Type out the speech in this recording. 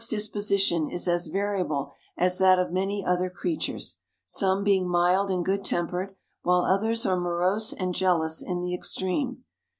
] The peacock's disposition is as variable as that of many other creatures, some being mild and good tempered, while others are morose and jealous in the extreme.